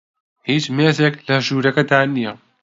هیچ مێزێک لە ژوورەکەدا نییە.